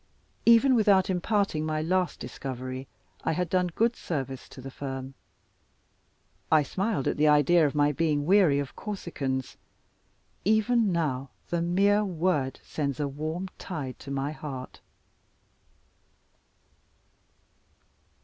Even without imparting my last discovery, I had done good service to the firm. I smiled at the idea of my being weary of Corsicans: even now the mere word sends a warm tide to my heart.